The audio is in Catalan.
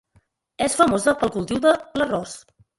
És famosa pel cultiu de l'arròs.